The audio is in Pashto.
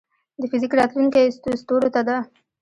د فزیک راتلونکې ستورو ته ده.